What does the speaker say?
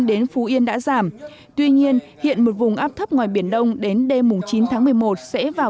đến phú yên đã giảm tuy nhiên hiện một vùng áp thấp ngoài biển đông đến đêm chín tháng một mươi một sẽ vào